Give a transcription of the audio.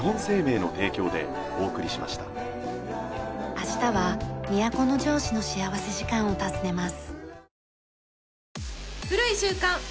明日は都城市の幸福時間を訪ねます。